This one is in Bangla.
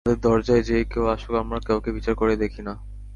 আমাদের দরজায় যে কেউ আসুক, আমরা কাউকে বিচার করে দেখি না।